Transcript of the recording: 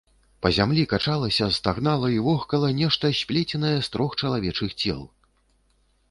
Па зямлі качалася, стагнала і вохкала нешта сплеценае з трох чалавечых цел.